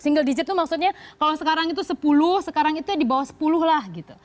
single digit itu maksudnya kalau sekarang itu sepuluh sekarang itu di bawah sepuluh lah gitu